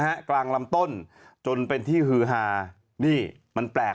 ห้ามจับ